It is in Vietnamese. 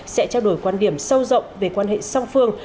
sẽ trao đổi quan điểm sâu rộng về quan hệ song phương